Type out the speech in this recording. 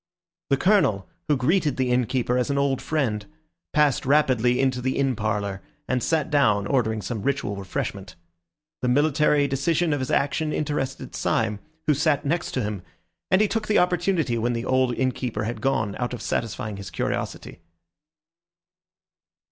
The Colonel, who greeted the innkeeper as an old friend, passed rapidly into the inn parlour, and sat down ordering some ritual refreshment. The military decision of his action interested Syme, who sat next to him, and he took the opportunity when the old innkeeper had gone out of satisfying his curiosity.